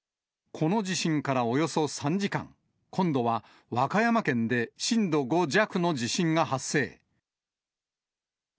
この地震からおよそ３時間、今度は和歌山県で震度５弱の地震が発生。